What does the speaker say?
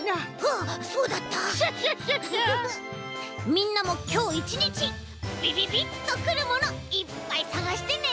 みんなもきょういちにちびびびっとくるものいっぱいさがしてね！